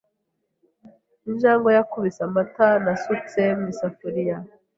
Injangwe yakubise amata nasutse mu isafuriya.